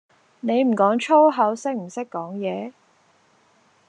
你唔講粗口識唔識講野?